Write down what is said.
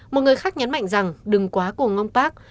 một người khác nhấn mạnh rằng đừng quá cùng ông park